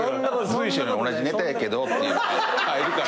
随所に「同じネタやけど」って入るから。